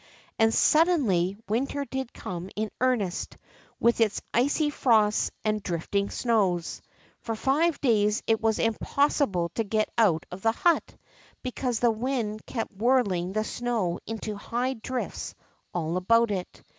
And suddenly winter did come in earnest, with its icy frosts and drifting snows. For five ' days it was impossible to get out of the hut, because the wind kept whirling the snow into high drifts all about it.